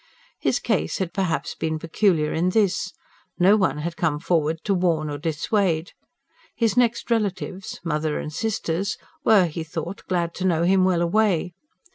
His case had perhaps been peculiar in this: no one had come forward to warn or dissuade. His next relatives mother and sisters were, he thought, glad to know him well away.